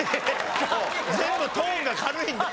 全部トーンが軽いんだ。